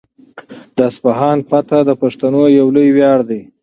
د اصفهان فتحه د پښتنو یو لوی ویاړ دی.